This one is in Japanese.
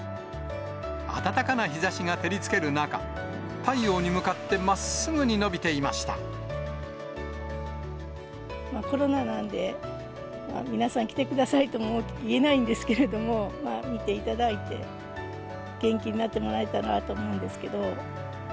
暖かな日ざしが照りつける中、太陽に向かってまっすぐに伸びてコロナなんで、皆さん、来てくださいとも言えないんですけれども、見ていただいて、元気になってもらえたらなと思うんですけど。